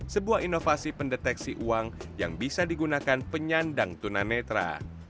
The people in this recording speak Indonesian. sebuah inovasi pendeteksi uang yang bisa digunakan penyandang tunanetra